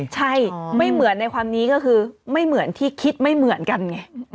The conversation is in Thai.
ใช่ไม่เหมือนในความนี้ก็คือไม่เหมือนที่คิดไม่เหมือนกันไง